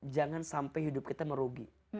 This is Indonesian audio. jangan sampai hidup kita merugi